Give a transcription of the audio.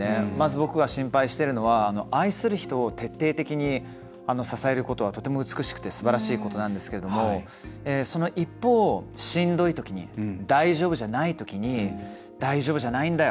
僕が心配しているのは愛する人を徹底的に支えることはとても美しくてすばらしいことなんですけどその一方、しんどいときに大丈夫じゃないときに大丈夫じゃないんだよ。